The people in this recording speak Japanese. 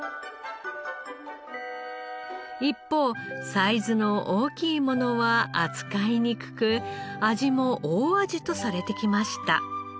一方サイズの大きいものは扱いにくく味も大味とされてきました。